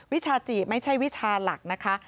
วิชาจีไม่ใช่วิชาหลักนะคะ